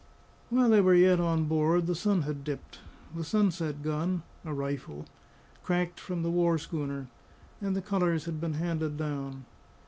While they were yet on board, the sun had dipped; the sunset gun (a rifle) cracked from the war schooner, and the colours had been handed down.